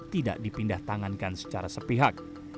tidak dipindah tangankan secara sepihak